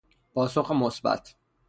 پاسخ مثبت